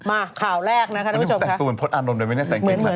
อ้าวข่าวแรกนะครับคุณผู้ชมค่ะไม่เหมือน